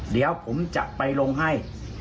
เดี๋ยวผมจะไปลงให้